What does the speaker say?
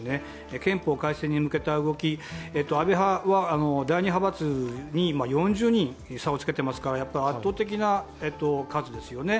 憲法改正に向けた動き、安倍派は第２派閥に４０人差をつけてますから圧倒的な数ですよね。